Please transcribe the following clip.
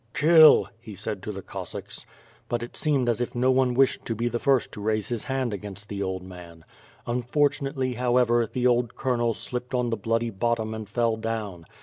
"Kill!" he said to the Cossacks. But it seemed as if no one wished to be the first to raise his hand against the old man. Unfortunately however, the old colonel slipped on the bloody bottom and fell down.